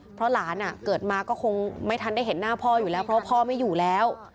เพราะหลานเกิดมาก็คงไม่ทันได้เห็นหน้าพ่ออยู่แล้วเพราะพ่อไม่อยู่แล้ว